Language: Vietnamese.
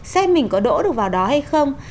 xem mình có đỗ được vào đó hay không